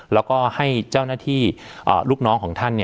แล้วก็ให้เจ้าหน้าที่ลูกน้องของท่าน